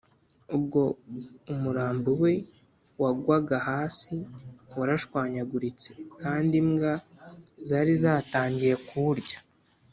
ubwo umurambo we wagwaga hasi warashwanyaguritse, kandi imbwa zari zatangiye kuwurya